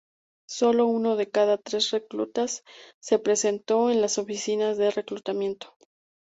Solo uno de cada tres reclutas se presentó en las oficinas de reclutamiento.